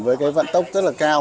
với cái vận tốc rất là cao